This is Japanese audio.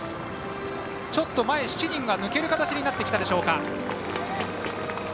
前７人が抜ける形になってきたでしょうか。